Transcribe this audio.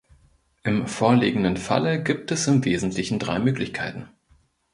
Im vorliegenden Falle gibt es im Wesentlichen drei Möglichkeiten.